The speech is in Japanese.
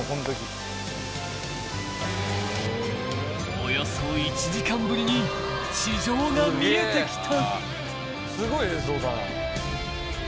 ［およそ１時間ぶりに地上が見えてきた］